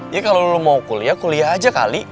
kalau lo mau kuliah kuliah aja kali